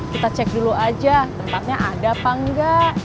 kita cek dulu aja tempatnya ada apa enggak